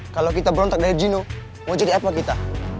kalau kita berontak dari geno mau jadi apa kita